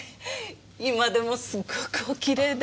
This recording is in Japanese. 今でもすごくおきれいで。